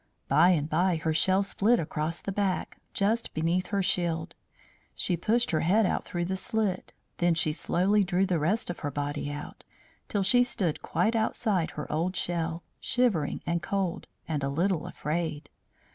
By and by her shell split across the back, just beneath her shield. She pushed her head out through the slit. Then she slowly drew the rest of her body out, till she stood quite outside her old shell, shivering and cold, and a little afraid.